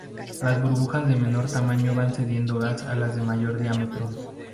Las burbujas de menor tamaño van cediendo gas a las de mayor diámetro.